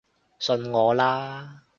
信我啦